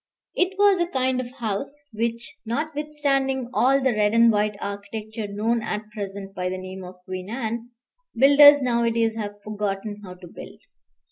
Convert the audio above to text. It was a kind of house which, notwithstanding all the red and white architecture known at present by the name of Queen Anne, builders nowadays have forgotten how to build.